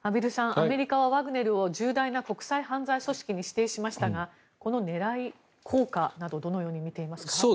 アメリカはワグネルを重大な国際犯罪組織に指定しましたがこの狙い、効果などどのように見ていますか。